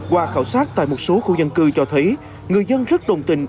qua khảo sát tại một số khu dân cư cho thấy người dân rất đồng tình